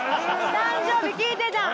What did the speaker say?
誕生日聞いてたん？